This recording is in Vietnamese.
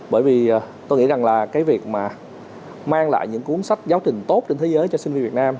bởi vì tôi nghĩ rằng là cái việc mà mang lại những cuốn sách giáo trình tốt trên thế giới cho sinh viên việt nam